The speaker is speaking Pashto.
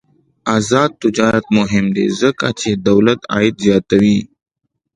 آزاد تجارت مهم دی ځکه چې دولت عاید زیاتوي.